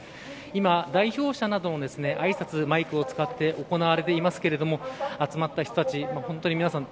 今、代表者などのあいさつがマイクを使って行われていますが集まった人たち本当に皆さん